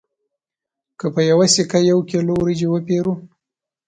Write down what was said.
که په یوه سکه یو کیلو وریجې وپېرو